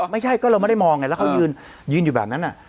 ไม่ใช่ก็เราไม่ได้มองไงแล้วเขายืนอยู่แบบนั้น